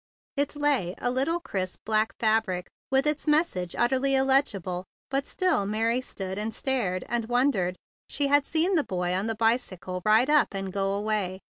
It lay, a little crisp, black fabric with its message utterly illegible, but still Mary stood and stared and won¬ dered. She had seen the boy on the bicycle ride up and go away.